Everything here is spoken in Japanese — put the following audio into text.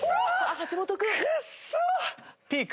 橋本君。